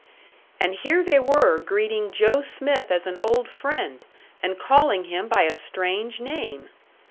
And here they were greeting Joe Smith as an old friend, and calling him by a strange name!